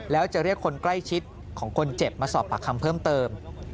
แล้วจะเรียกคนใกล้ชิดของคนเจ็บมาสอบปากคำเพิ่มเติม